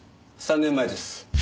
３年前です。